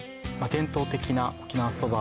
伝統的な沖縄そば